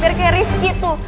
biar kayak rifqi tuh